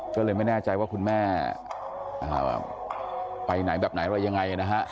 ก็เลยไม่แน่ใจว่าคุณแม่ไปไหนแบบไหนอะไรยังไงนะฮะ